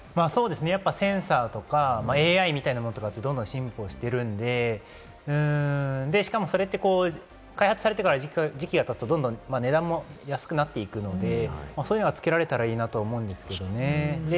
やっぱセンサーとか、ＡＩなどがどんどん進歩しているんで、しかも、それって開発されてから時期が経つとどんどん値段も安くなっていくので、そういうのはつけられたらいいなと思うんですけれどもね。